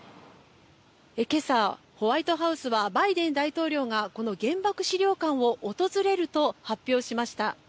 今朝、ホワイトハウスはバイデン大統領がこの原爆資料館を訪れると発表しました。